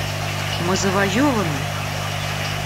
Мы завоеваны!